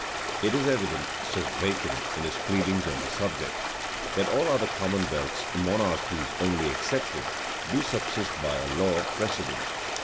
"It is evident," says Bacon, in his pleadings on this subject, "that all other commonwealths, monarchies only excepted, do subsist by a law precedent.